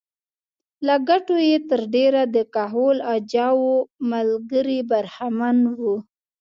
له ګټو یې تر ډېره د کهول اجاو ملګري برخمن وو